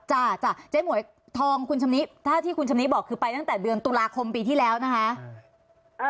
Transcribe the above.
จ้ะจ้ะเจ๊หมวยทองคุณชำนิถ้าที่คุณชำนิบอกคือไปตั้งแต่เดือนตุลาคมปีที่แล้วนะคะ